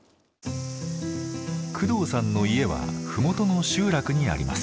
工藤さんの家はふもとの集落にあります。